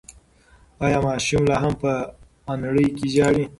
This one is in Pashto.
ایا ماشوم لا هم په انړۍ کې ژاړي؟